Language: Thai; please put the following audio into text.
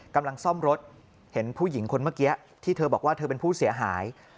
กำลังซ่อมรถเห็นผู้หญิงคนเมื่อกี้ที่เธอบอกว่าเธอเป็นผู้เสียหาย